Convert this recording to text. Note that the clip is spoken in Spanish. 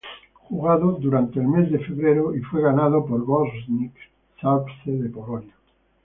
Jugado durante el mes de febrero y fue ganado por Górnik Zabrze de Polonia.